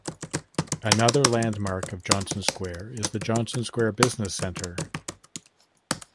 Another landmark of Johnson Square is the Johnson Square Business Center.